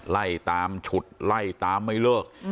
ไล่ตามฉุดไล่ตามไม่เลิก